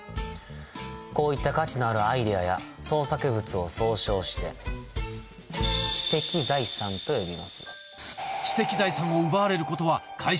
こういった価値のあるアイデアや創作物を総称して知的財産と呼びます。